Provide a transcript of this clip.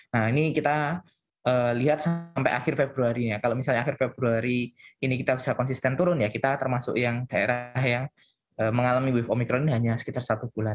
nah ini kita lihat sampai akhir februarinya kalau misalnya akhir februari ini kita bisa konsisten turun ya kita termasuk yang daerah yang mengalami wave omicron ini hanya sekitar satu bulan